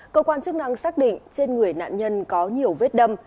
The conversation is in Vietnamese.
cơ quan chức năng xác định trên người nạn nhân có nhiều vết đâm